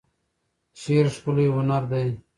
شعر ښکلی هنر دی.